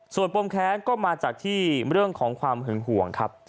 ส่วนปมแค้นก็มาจากที่เรื่องของความหึงห่วงครับ